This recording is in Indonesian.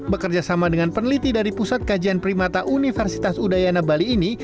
bekerja sama dengan peneliti dari pusat kajian primata universitas udayana bali ini